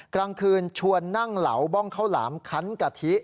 กลางคืนชวนนั่งเหลาบ้องข้าวหลามคันกะทิ